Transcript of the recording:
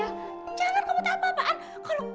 jangan komentaran apa apaan